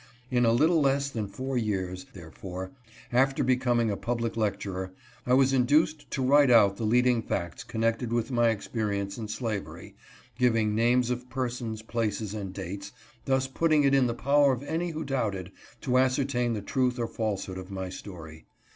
In a little less than four years, therefore, after becoming a public lecturer, I was induced to write out the leading facts connected with my experience in slavery, giving names of persons, places, and dates, thus putting it in the power of any who doubted, to ascertain the truth or falsehood of my story.